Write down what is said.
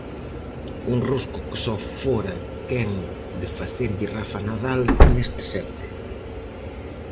Un rosco que só fora quen de facerlle Rafa Nadal neste século.